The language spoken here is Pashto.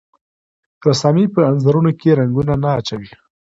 رسامي په انځورونو کې رنګونه نه اچوي.